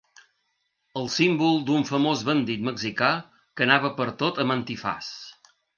El símbol d'un famós bandit mexicà que anava pertot amb antifaç.